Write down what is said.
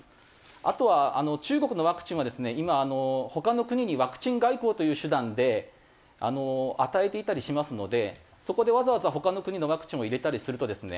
あとは中国のワクチンはですね今他の国にワクチン外交という手段で与えていたりしますのでそこでわざわざ他の国のワクチンを入れたりするとですね